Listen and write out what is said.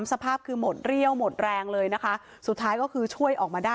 สภาพคือหมดเรี่ยวหมดแรงเลยนะคะสุดท้ายก็คือช่วยออกมาได้